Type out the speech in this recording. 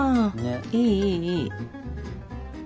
いいいいいい。